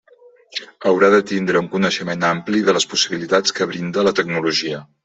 Haurà de tindre un coneixement ampli de les possibilitats que brinda la tecnologia.